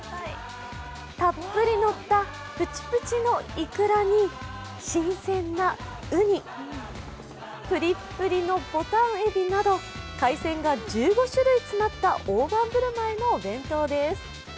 たっぷりのったぷちぷちのイクラに新鮮なウニ、ぷりっぷりのぼたんえびなど会館が１５種類詰まった大盤振る舞いのお弁当です。